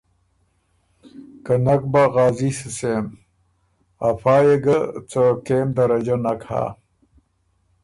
که نک بَۀ غازي سُو سېم افا يې ګۀ څه کېم درجۀ نک هۀ۔